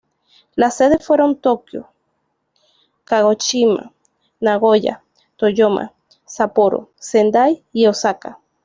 Las sedes fueron Tokio, Kagoshima, Nagoya, Toyama, Sapporo, Sendai y Osaka.